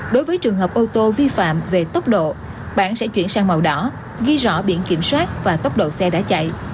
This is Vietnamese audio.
đối với trường hợp ô tô vi phạm về tốc độ bạn sẽ chuyển sang màu đỏ ghi rõ biển kiểm soát và tốc độ xe đã chạy